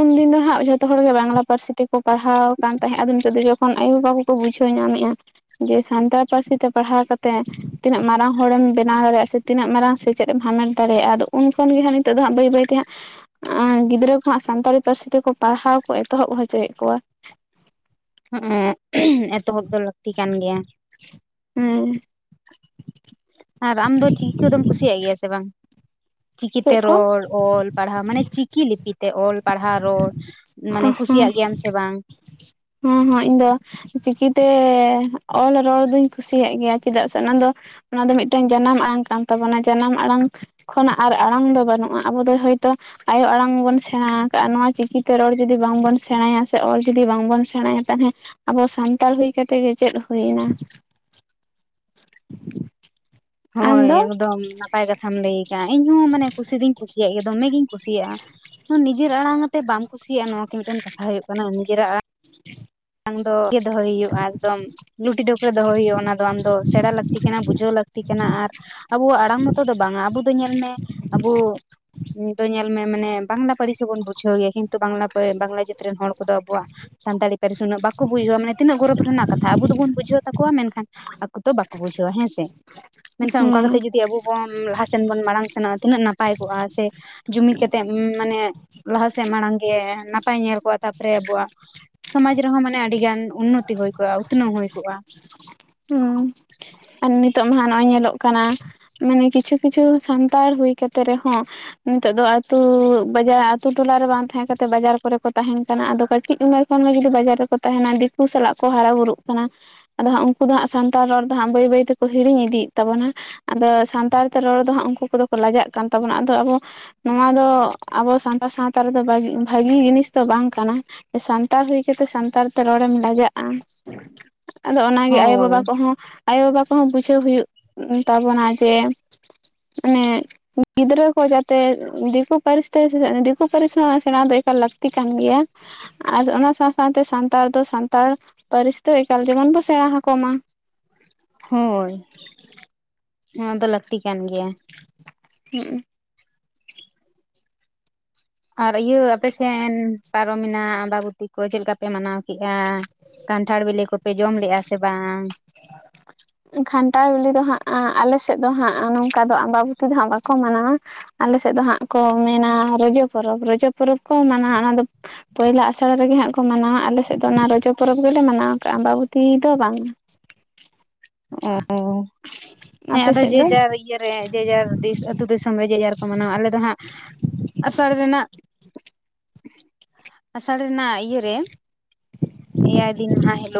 ᱩᱱᱫᱤᱱ ᱫᱚ ᱦᱟᱸᱜ ᱡᱷᱚᱛᱚ ᱦᱚᱲ ᱜᱮ ᱵᱟᱝᱞᱟ ᱯᱟᱹᱨᱥᱤ ᱛᱮᱠᱚ ᱯᱟᱲᱦᱟᱣ ᱠᱟᱱ ᱛᱟᱦᱮᱸᱫ ᱟᱫᱚ ᱱᱤᱛᱚᱜ ᱫᱚ ᱡᱚᱠᱷᱚᱱ ᱟᱭᱩᱵᱟ ᱠᱚ ᱵᱩᱡᱷᱟᱹᱣ ᱧᱟᱢᱮᱫᱼᱟ᱾ ᱡᱮ ᱥᱟᱱᱛᱟᱲ ᱯᱟᱹᱨᱥᱤ ᱛᱮ ᱯᱟᱲᱦᱟᱣ ᱠᱟᱛᱮ ᱛᱤᱱᱟᱹᱜ ᱢᱟᱨᱟᱝ ᱦᱚᱲᱮᱢ ᱵᱮᱱᱟᱣ ᱫᱟᱲᱮᱭᱟᱜᱼᱟ ᱥᱮᱼᱼ ᱛᱤᱱᱟᱹᱜ ᱢᱟᱨᱟᱝ ᱥᱮᱪᱮᱫ ᱮᱢ ᱦᱟᱢᱮᱴ ᱫᱟᱲᱮᱭᱟᱜᱼᱟ ᱟᱫᱚ ᱩᱱ ᱠᱷᱚᱱ ᱜᱮ ᱦᱟᱸᱜ ᱱᱤᱛᱚᱜ ᱫᱚ ᱦᱟᱸᱜ ᱵᱟᱹᱭ ᱵᱟᱹᱭᱛᱮ ᱦᱟᱸᱜ ᱜᱤᱫᱽᱨᱟᱹ ᱠᱚᱦᱣᱟᱜ ᱥᱟᱱᱛᱟᱲᱤ ᱯᱟᱹᱨᱥᱤ ᱛᱮᱠᱚ ᱯᱟᱲᱦᱟᱣ ᱠᱚ ᱮᱛᱚᱦᱚᱵ ᱦᱚᱪᱚᱭᱮᱫ ᱠᱚᱣᱟ᱾
ᱦᱮᱸ ᱮᱛᱚᱦᱚᱵ ᱫᱚ ᱞᱟᱹᱠᱛᱤ ᱠᱟᱱ ᱜᱮᱭᱟ᱾
ᱦᱮᱸ
ᱟᱨ ᱟᱢ ᱫᱚ ᱪᱤᱠᱤ ᱠᱚᱫᱚᱢ ᱠᱩᱥᱤ ᱭᱟᱜ ᱜᱮᱭᱟ ᱥᱮ ᱵᱟᱝ? ᱪᱤᱠᱤᱛᱮ
ᱪᱮᱫ ᱠᱚ
ᱨᱚᱲ ᱚᱞ ᱯᱟᱲᱦᱟᱣ ᱢᱟᱱᱮ ᱪᱤᱠᱤᱼᱼ ᱪᱤᱠᱤᱛᱮ ᱚᱞ ᱯᱟᱲᱦᱟᱣ ᱨᱚᱲ ᱢᱟᱱᱮ ᱠᱩᱥᱤᱭᱟᱜ ᱜᱮᱭᱟᱢ ᱥᱮ ᱵᱟᱝ?
ᱦᱚᱸ ᱦᱚᱸ ᱤᱧ ᱫᱚ ᱪᱤᱠᱤᱛᱮᱼᱼ ᱚᱞ ᱨᱚᱲ ᱫᱩᱧ ᱠᱩᱥᱤᱭᱟᱜ ᱜᱮᱭᱟ ᱪᱮᱫᱟᱜ ᱥᱮ ᱚᱱᱟ ᱫᱚᱼᱼ ᱚᱱᱟ ᱫᱚ ᱢᱤᱫᱴᱟᱝ ᱡᱟᱱᱟᱢ ᱟᱲᱟᱝ ᱠᱟᱱ ᱛᱟᱵᱚᱱᱟ ᱡᱟᱱᱟᱢ ᱟᱲᱟᱝ ᱠᱷᱚᱱᱟᱜ ᱟᱨ ᱟᱲᱟᱝ ᱫᱚ ᱵᱟᱹᱱᱩᱜᱼᱟ ᱟᱵᱚ ᱫᱚ ᱦᱳᱭᱛᱳ ᱟᱭᱳ ᱟᱲᱟᱝ ᱵᱚᱱ ᱥᱮᱬᱟ ᱟᱠᱟᱜᱼᱟ ᱱᱚᱣᱟᱼᱼ ᱪᱤᱠᱤᱛᱮ ᱨᱚᱲ ᱡᱩᱫᱤ ᱵᱟᱝᱵᱚᱱ ᱥᱮᱬᱟᱭᱟ᱾ ᱚᱞ ᱡᱩᱫᱤ ᱵᱟᱝᱵᱚᱱ ᱥᱮᱬᱟᱭᱟ ᱛᱟᱦᱚᱞᱮ ᱟᱵᱚ ᱥᱟᱱᱛᱟᱲ ᱦᱩᱭ ᱠᱟᱛᱮᱜ ᱜᱮ ᱪᱮᱫ ᱦᱩᱭᱮᱱᱟ᱾ ᱟᱢ
ᱦᱳᱭ
ᱫᱚ
ᱮᱠᱫᱚᱢ ᱱᱟᱯᱟᱭ ᱠᱟᱛᱷᱟᱢ ᱞᱟᱹᱭ ᱠᱟᱟᱜᱼᱟ ᱤᱧᱦᱚᱸ ᱢᱟᱱᱮ ᱠᱩᱥᱤ ᱫᱩᱧ ᱠᱩᱥᱤᱭᱟᱜ ᱜᱮᱭᱟ ᱫᱚᱢᱮ ᱜᱤᱧ ᱠᱩᱥᱤᱭᱟᱜᱼᱟ᱾ ᱦᱚᱸ ᱱᱤᱡᱮᱨ ᱟᱲᱟᱝᱛᱮ ᱵᱟᱢ ᱠᱩᱥᱤᱭᱟᱜᱼᱟ ᱱᱚᱶᱟ ᱠᱤ ᱢᱤᱫᱴᱟᱝ ᱠᱟᱛᱷᱟ ᱦᱩᱭᱩᱜ ᱠᱟᱱᱟ ᱱᱤᱡᱮᱨᱟᱜ ᱟᱲᱟᱝ
ᱦᱮᱸ [inaudible]
ᱫᱚ ᱜᱮ ᱫᱚᱦᱚᱭ ᱦᱩᱭᱩᱜᱼᱟ ᱮᱠᱫᱚᱢ ᱧᱩᱫ ᱰᱟᱹᱣᱠᱟᱹᱛ ᱫᱚᱦᱚᱭ ᱦᱩᱭᱩᱜᱜᱼᱟ ᱚᱱᱟ ᱫᱚ ᱟᱢ ᱥᱮᱬᱟ ᱞᱟᱹᱠᱛᱤ ᱠᱟᱱᱟ, ᱵᱩᱡᱷᱟᱹᱣ ᱞᱟᱹᱠᱛᱤ ᱠᱟᱱᱟ, ᱟᱨ ᱟᱵᱚᱣᱟᱜ ᱟᱲᱟᱝ ᱢᱚᱛᱚ ᱫᱚ ᱵᱟᱝᱟ ᱟᱵᱩ ᱫᱚ ᱧᱮᱞᱢᱮ ᱟᱵᱚ ᱫᱚ ᱧᱮᱞ ᱢᱮ ᱢᱟᱱᱮ ᱵᱟᱝᱞᱟ ᱯᱟᱹᱨᱤᱥ ᱥᱮ ᱵᱚᱱ ᱵᱩᱡᱷᱟᱹᱣ ᱜᱮᱭᱟ ᱠᱤᱱᱛᱩ ᱵᱟᱝᱞᱟ ᱵᱟᱝᱞᱟ ᱡᱟᱹᱛ ᱨᱮᱱ ᱦᱚᱲ ᱠᱚᱫᱚ ᱟᱵᱚᱣᱟᱜ ᱥᱟᱱᱛᱟᱲᱤ ᱯᱟᱨᱤᱥ ᱩᱱᱟᱜ ᱵᱟ ᱵᱩᱡᱷᱟᱹᱣᱟ ᱢᱟᱱᱮ ᱛᱤᱱᱟᱹᱜ ᱜᱚᱨᱚᱵ ᱨᱮᱱᱟᱜ ᱠᱟᱛᱷᱟ ᱟᱵᱚ ᱫᱚᱵᱚᱱ ᱵᱩᱡᱷᱟᱹᱣ ᱛᱟᱠᱚᱣᱟ ᱢᱮᱱᱠᱷᱟᱱ ᱟᱠᱚ ᱫᱚ ᱵᱟᱠᱚ ᱵᱩᱡᱷᱟᱹᱣᱟ ᱦᱮᱸᱥᱮ ᱢᱮᱱᱠᱷᱟᱱ ᱚᱱᱠᱟ
ᱦᱩᱸ
ᱠᱟᱛᱮᱜ ᱡᱩ ᱫᱤ ᱟᱵᱚ ᱵᱚᱱ ᱞᱟᱦᱟ ᱥᱮᱱ ᱵᱚᱱ ᱢᱟᱲᱟᱝ ᱥᱮᱱᱚᱜᱼᱟ, ᱛᱤᱱᱟᱹᱜ ᱱᱟᱯᱟᱭ ᱠᱚᱜᱼᱟ ᱦᱮᱸᱥᱮ? ᱡᱩᱢᱤᱛ ᱠᱟᱛᱮᱜ ᱢᱟᱱᱮ ᱞᱟᱦᱟᱥᱮᱫ ᱢᱟᱲᱟᱝ ᱜᱮ ᱱᱟᱯᱟᱭ ᱧᱮᱞ ᱠᱚᱜᱼᱟ, ᱛᱟᱯᱚᱨᱮ ᱟᱵᱚᱣᱟᱜ ᱥᱚᱢᱟᱡ ᱨᱮᱦᱚᱸ ᱢᱟᱱᱮ ᱟᱹᱰᱤ ᱜᱟᱱ ᱩᱱᱱᱚᱛᱤ ᱦᱩᱭ ᱠᱚᱜᱼᱟ ᱩᱛᱱᱟᱹᱣ ᱦᱩᱭ ᱠᱚᱜᱼᱟ᱾
ᱦᱩᱸ ᱟᱨ ᱱᱤᱛᱚᱜ ᱢᱟᱦᱟᱜ ᱱᱚᱜᱼᱚᱭ ᱧᱮᱞᱚᱜ ᱠᱟᱱᱟ ᱢᱟᱱᱮ ᱠᱤᱪᱷᱩ ᱠᱤᱪᱷᱩ ᱥᱟᱱᱛᱟᱲ ᱦᱩᱭ ᱠᱟᱛᱮᱜ ᱨᱮᱦᱚᱸ ᱱᱤᱛᱚᱜ ᱫᱚ ᱟᱛᱩ ᱵᱟᱡᱟᱨ ᱟᱛᱩ ᱴᱚᱞᱟᱨᱮ ᱵᱟᱝ ᱛᱟᱦᱮᱸ ᱠᱟᱛᱮᱫ ᱵᱟᱡᱟᱨ ᱠᱚᱨᱮ ᱠᱚ ᱛᱟᱦᱮᱸᱱ ᱠᱟᱱᱟ ᱟᱫᱚ ᱠᱟᱹᱴᱤᱡ ᱩᱢᱮᱨ ᱠᱷᱟᱱ ᱜᱮ ᱡᱩᱫᱤ ᱵᱟᱡᱟᱨ ᱨᱮᱠᱚ ᱛᱟᱦᱮᱸᱱᱟ ᱫᱤᱠᱩ ᱥᱟᱞᱟᱜ ᱠᱚ ᱦᱟᱨᱟ ᱵᱩᱨᱩᱜ ᱠᱟᱱᱟ, ᱟᱫᱚ ᱦᱟᱸᱜ ᱩᱱᱠᱩ ᱫᱚ ᱦᱟᱸᱜ ᱥᱟᱱᱛᱟᱲ ᱨᱚᱲ ᱫᱚ ᱦᱟᱸᱜ ᱵᱟᱹᱭ ᱵᱟᱹᱭ ᱛᱮᱠᱚ ᱦᱤᱲᱤᱧ ᱤᱫᱤᱭᱮᱫ ᱛᱟᱵᱚᱱᱟ᱾ ᱟᱫᱚ ᱥᱟᱱᱛᱟᱲ ᱛᱮ ᱨᱚᱲ ᱫᱚ ᱦᱟᱸᱜ ᱩᱱᱠᱩ ᱠᱚᱫᱚ ᱠᱚ ᱞᱟᱡᱟᱜ ᱠᱟᱱ ᱛᱟᱵᱚᱱᱟ ᱟᱫᱚ ᱟᱵᱚ ᱱᱚᱣᱟ ᱫᱚ ᱟᱵᱚ ᱥᱟᱱᱛᱟᱲ ᱥᱟᱶᱛᱟ ᱨᱮᱫᱚ ᱵᱟᱜᱤ ᱵᱷᱟᱹᱜᱤ ᱡᱤᱱᱤᱥ ᱛᱚ ᱵᱟᱝ ᱠᱟᱱᱟ ᱥᱟᱱᱛᱟᱲ ᱦᱩᱭ ᱠᱟᱛᱮᱜ ᱥᱟᱱᱛᱟᱲ ᱛᱮ ᱨᱚᱲᱮᱢ ᱞᱟᱡᱟᱜᱼᱟ᱾ ᱟᱫᱚ ᱚᱱᱟᱜᱮ
ᱦᱳᱭ
ᱟᱭᱳᱼᱵᱟᱵᱟ ᱠᱚᱦᱚᱸ ᱟᱭᱳᱼᱵᱟᱵᱟ ᱠᱚᱦᱚᱸ ᱵᱩᱡᱷᱟᱹᱣ ᱦᱩᱭᱩᱜ ᱛᱟᱵᱚᱱᱟ ᱡᱮ ᱚᱱᱮ ᱜᱤᱫᱽᱨᱟᱹ ᱠᱚ ᱡᱟᱛᱮ ᱫᱤᱠᱩ ᱯᱟᱹᱨᱤᱥ ᱛᱮ ᱥᱮᱪᱮᱫ ᱫᱤᱠᱩ ᱯᱟᱹᱨᱤᱥ ᱦᱚᱸ ᱥᱮᱬᱟ ᱫᱚ ᱮᱠᱟᱞ ᱞᱟᱹᱠᱛᱤ ᱠᱟᱱ ᱜᱮᱭᱟ, ᱟᱨ ᱚᱱᱟ ᱥᱟᱶ ᱥᱟᱶᱛᱮ ᱥᱟᱱᱛᱟᱲ ᱫᱚ ᱥᱟᱱᱛᱟᱲ ᱯᱟᱹᱨᱤᱥ ᱫᱚ ᱮᱠᱟᱞ ᱡᱮᱢᱚᱱ ᱵᱚᱱ ᱥᱮᱬᱟ ᱟᱠᱚ ᱢᱟ᱾
ᱦᱳᱭ ᱱᱚᱣᱟ ᱫᱚ ᱞᱟᱹᱠᱛᱤ ᱠᱟᱱ ᱜᱮᱭᱟ᱾
ᱦᱩᱸᱜ ᱩᱸ᱾
ᱟᱨ ᱤᱭᱟᱹ ᱟᱯᱮᱥᱮᱱ ᱯᱟᱨᱚᱢᱮᱱᱟ ᱟᱢᱵᱟᱵᱚᱛᱤ ᱠᱚ ᱪᱮᱫ ᱞᱮᱠᱟ ᱯᱮ ᱢᱟᱱᱟᱣ ᱠᱮᱜᱼᱟ? ᱠᱟᱱᱴᱷᱟᱲ ᱵᱮᱞᱮ ᱠᱚᱯᱮ ᱡᱚᱢ ᱞᱮᱜᱼᱟ ᱥᱮ ᱵᱟᱝ?
ᱠᱷᱟᱱᱴᱟᱲ ᱵᱤᱞᱤ ᱫᱚ ᱦᱟᱸᱜ ᱟᱞᱮ ᱥᱮᱫ ᱫᱚ ᱦᱟᱸᱜ ᱱᱚᱝᱠᱟ ᱫᱚ ᱟᱢᱵᱟᱵᱩᱛᱤ ᱫᱚ ᱦᱟᱸᱜ ᱵᱟᱠᱚ ᱢᱟᱱᱟᱣᱟ᱾ ᱟᱞᱮ ᱥᱮᱫ ᱫᱚ ᱦᱟᱸᱜ ᱠᱚ ᱢᱮᱱᱟ ᱨᱚᱡᱚ ᱯᱚᱨᱚᱵ ᱨᱚᱡᱚ ᱯᱚᱨᱚᱵ ᱠᱚ ᱢᱟᱱᱟ ᱟ ᱚᱱᱟᱫᱚ ᱯᱳᱭᱞᱟ ᱟᱥᱟᱲ ᱨᱮᱜᱮ ᱦᱟᱸᱜ ᱠᱚ ᱢᱟᱱᱟᱣᱟ ᱟᱞᱮᱥᱮᱫ ᱫᱚ ᱚᱱᱟ ᱨᱚᱡᱚ ᱯᱚᱨᱚᱵ ᱜᱮᱞᱮ ᱢᱟᱱᱟᱣ ᱠᱟᱜᱼᱟ ᱟᱢᱵᱟᱵᱩᱛᱤ ᱫᱚ ᱵᱟᱝ᱾ [inaudible]
ᱚ ᱦᱮᱸ
ᱟᱯᱮ
ᱟᱫᱚ
ᱥᱮᱫ ᱫᱚ
ᱡᱮᱸ ᱡᱟᱨ ᱤᱭᱟᱹᱨᱮ ᱡᱮᱡᱟᱨ ᱫᱤᱥ ᱟᱹᱛᱩ ᱫᱤᱥᱚᱢ ᱨᱮ ᱡᱮᱡᱟᱨ ᱠᱚ ᱢᱟᱱᱟᱣᱟ ᱟᱞᱮ ᱫᱚ ᱦᱟᱸᱜ ᱟᱥᱟᱲ ᱨᱮᱱᱟᱜ ᱟᱥᱟᱲ ᱨᱮᱱᱟᱜ ᱤᱭᱟᱹᱨᱮ ᱮᱭᱟᱭ ᱫᱤᱱ ᱢᱟᱦᱟ ᱦᱤᱞᱳᱜ